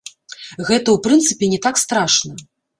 Гэта ў прынцыпе не так страшна.